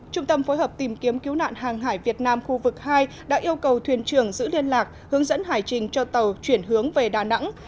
trung tâm phối hợp tìm kiếm cứu nạn hàng hải việt nam khu vực hai đã yêu cầu thuyền trưởng giữ liên lạc hướng dẫn hải trình cho tàu chuyển hướng về đà nẵng